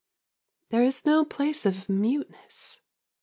There is no place of muteness